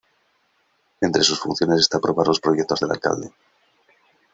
Entre sus funciones está aprobar los proyectos del alcalde.